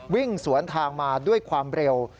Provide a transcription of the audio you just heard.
วิ่งสวนทางมาด้วยความเร็ว